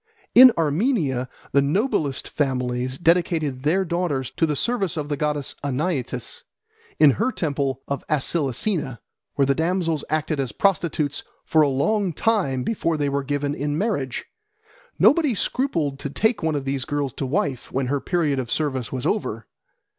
In Armenia the noblest families dedicated their daughters to the service of the goddess Anaitis in her temple of Acilisena, where the damsels acted as prostitutes for a long time before they were given in marriage. Nobody scrupled to take one of these girls to wife when her period of service was over.